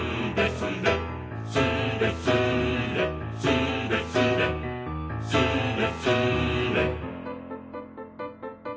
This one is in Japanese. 「スレスレスレスレ」「スレスレ」